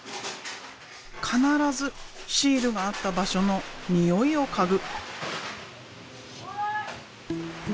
必ずシールがあった場所の匂いを嗅ぐ。